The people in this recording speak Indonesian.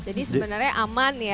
jadi sebenarnya aman ya